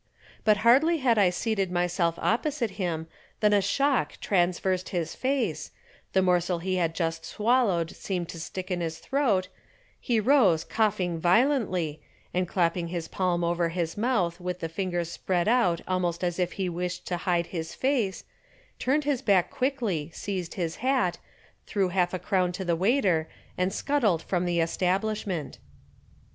But hardly had I seated myself opposite him than a shock traversed his face, the morsel he had just swallowed seemed to stick in his throat, he rose coughing violently, and clapping his palm over his mouth with the fingers spread out almost as if he wished to hide his face, turned his back quickly, seized his hat, threw half a crown to the waiter and scuttled from the establishment. [Illustration: _He scuttled from the Establishment.